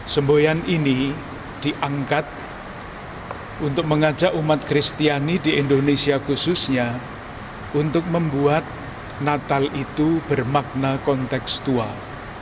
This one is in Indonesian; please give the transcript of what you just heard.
semboyan ini diangkat untuk mengajak umat kristiani di indonesia khususnya untuk membuat natal itu bermakna kontekstual